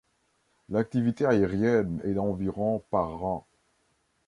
L'activité aérienne est d'environ par an.